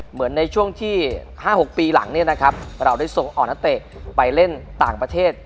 เหมือนในช่วงที่๕๖ปีหลังเนี่ยนะครับเราได้ส่งออกนักเตะไปเล่นต่างประเทศ